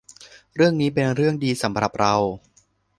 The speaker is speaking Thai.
เรื่องนี้เป็นเรื่องดีสำหรับเรา